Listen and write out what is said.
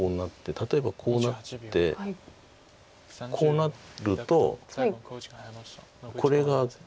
例えばこうなってこうなるとこれが。